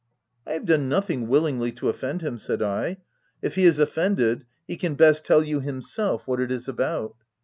" I have done nothing willingly to offend him/' said I. " If he is offended, he can best tell you himself what it is about."